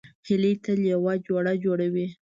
هیلۍ تل یو جوړه جوړوي